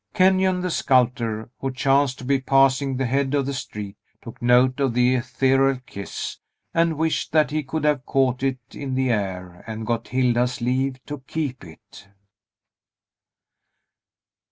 Kenyon the sculptor, who chanced to be passing the head of the street, took note of that ethereal kiss, and wished that he could have caught it in the air and got Hilda's leave to keep it.